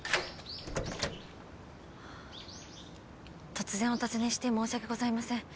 突然お尋ねして申し訳ございません。